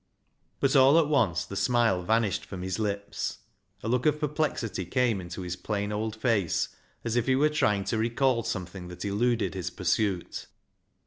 But all at once the smile vanished from his lips. A look of perplexity came into his plain old face, as if he were trying to recall something that eluded his pursuit.